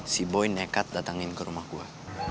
si boen nekat datangin ke rumah gua